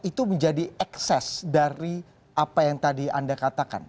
itu menjadi ekses dari apa yang tadi anda katakan